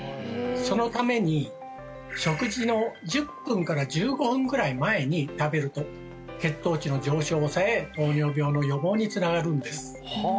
そのために食事の１０分から１５分くらい前に食べると血糖値の上昇を抑え糖尿病の予防につながるんですはあ！